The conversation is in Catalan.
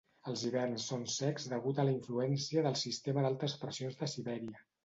Els hiverns són secs degut a la influència del sistema d'altes pressions de Sibèria.